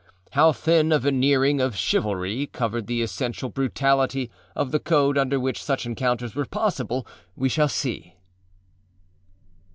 How thin a veneering of âchivalryâ covered the essential brutality of the code under which such encounters were possible we shall see.